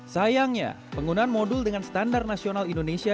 sayangnya penggunaan modul dengan standar nasional indonesia